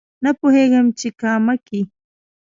نه پوهېږم چې کامه کې